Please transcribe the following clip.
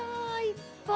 いっぱい。